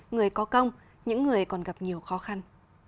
người có công những người còn gặp nhiều khó khăn